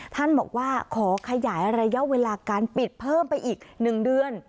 ท่านบอกว่าขอขยายระยะเวลาการปิดเพิ่มไปอีก๑เดือน